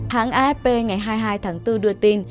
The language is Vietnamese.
hãng afp ngày hai mươi hai tháng bốn đưa tin